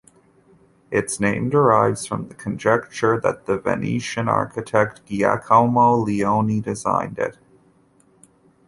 Its name derives from the conjecture that the Venetian architect Giacomo Leoni designed it.